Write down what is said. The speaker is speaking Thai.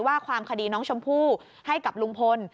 ว่าความคดีน้องชมพู่ให้กับลุงพล